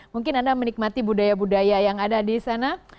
mungkin anda menikmati budaya budaya yang ada di sana